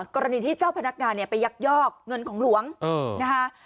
กรณีที่เจ้าพนักงานเนี่ยไปยักยอกเงินของหลวงนะคะ